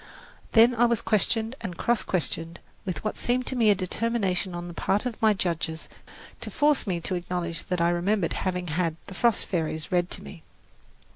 Then I was questioned and cross questioned with what seemed to me a determination on the part of my judges to force me to acknowledge that I remembered having had "The Frost Fairies" read to me.